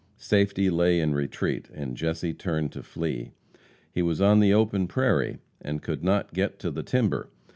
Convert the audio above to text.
Safety lay in retreat, and Jesse turned to flee. He was on the open prairie, and could not get to the timber.